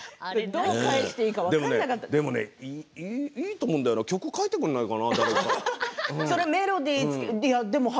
でもね、いいと思うんだよな曲を書いてくれないかな？